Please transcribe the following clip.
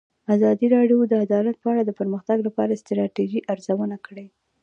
ازادي راډیو د عدالت په اړه د پرمختګ لپاره د ستراتیژۍ ارزونه کړې.